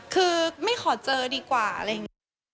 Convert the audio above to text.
คือไม่ขอเจอดีกว่าอะไรอย่างนี้